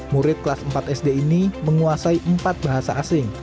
murid kelas empat sd ini menguasai empat bahasa asing